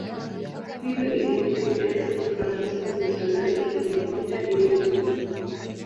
Hivyo ilibidi Uingereza na Ufaransa zitangaze hali ya vita dhidi ya Ujerumani